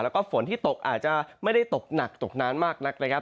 แล้วก็ฝนที่ตกอาจจะไม่ได้ตกหนักตกนานมากนักนะครับ